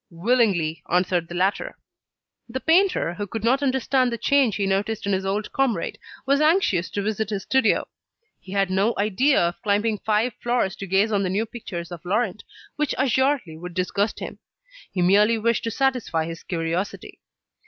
"Willingly," answered the latter. The painter, who could not understand the change he noticed in his old comrade, was anxious to visit his studio. He had no idea of climbing five floors to gaze on the new pictures of Laurent, which assuredly would disgust him; he merely wished to satisfy his curiosity.